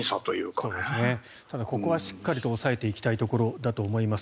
ただ、ここはしっかりと抑えていきたいところだと思います。